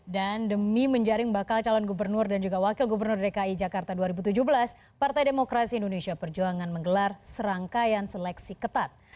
dan demi menjaring bakal calon gubernur dan juga wakil gubernur dki jakarta dua ribu tujuh belas partai demokrasi indonesia perjuangan menggelar serangkaian seleksi ketat